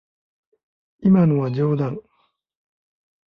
今のは冗談。